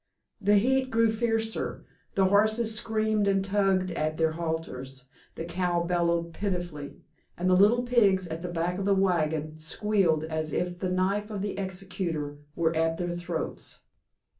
The heat grew fiercer; the horses screamed and tugged at their halters, the cow bellowed pitifully, and the little pigs at the back of the wagon squealed as if the knife of the executioner were at their throats.